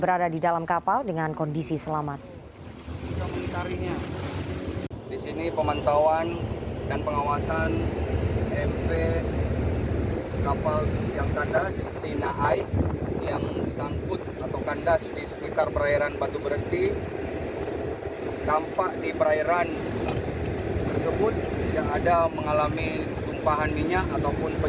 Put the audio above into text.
berada di dalam kapal dengan kondisi selamat